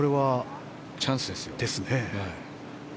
チャンスですよ。